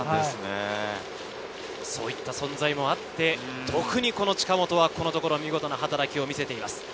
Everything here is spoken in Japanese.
そういう存在もあって、特にこの近本はこのところ見事な働きを見せています。